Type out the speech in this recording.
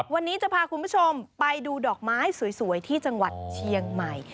วันนี้จะพาคุณผู้ชมไปดูดอกไม้สวยที่จังหวัดเชียงใหม่